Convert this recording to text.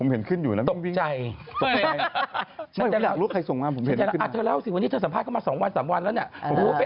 เฮ้ยใครส่งมาใครส่งไลน์มาดูดิ